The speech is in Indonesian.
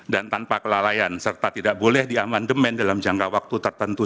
dan tanpa kelalaian serta tidak boleh diamandemen dalam jangka waktu tertentu